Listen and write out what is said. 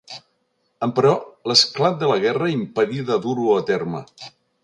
Emperò, l'esclat de la guerra impedí de dur-ho a terme.